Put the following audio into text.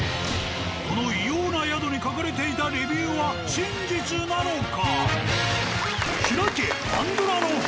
この異様な宿に書かれていたレビューは真実なのか！？